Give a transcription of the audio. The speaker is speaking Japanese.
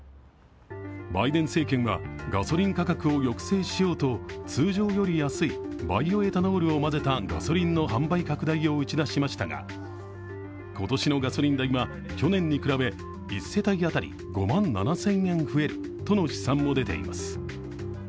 バイデン政権はガソリン価格を抑制しようと通常より安いバイオエタノールを混ぜたガソリンの販売拡大を打ち出しましたが、今年のガソリン代は去年に比べ１世帯当たり５万７０００円増えるとの試算も出ています。